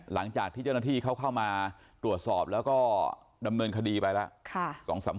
หลังจากที่เจ้าหน้าที่เขาเข้ามาตรวจสอบแล้วก็ดำเนินคดีไปแล้ว